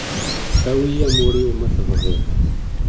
Awi amur-iw ma tebɣiḍ.